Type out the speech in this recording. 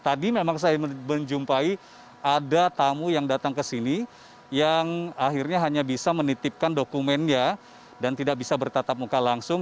tadi memang saya menjumpai ada tamu yang datang ke sini yang akhirnya hanya bisa menitipkan dokumennya dan tidak bisa bertatap muka langsung